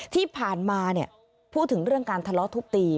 ที่ผ่านมาพูดถึงเรื่องการทะเลาะทุบตี